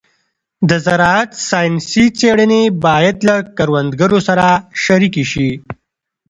د زراعت ساینسي څېړنې باید له کروندګرو سره شریکې شي.